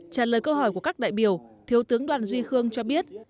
trả lời câu hỏi của các đại biểu thiếu tướng đoàn duy khương cho biết